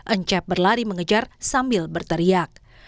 encep berlari mengejar sambil berteriak